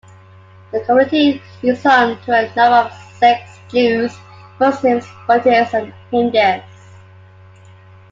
The community is home to a number of Sikhs, Jews, Muslims, Buddhists and Hindus.